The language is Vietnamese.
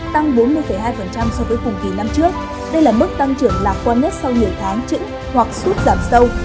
tăng bốn mươi hai so với cùng kỳ năm trước đây là mức tăng trưởng lạc quan nhất sau nhiều tháng trứng hoặc sút giảm sâu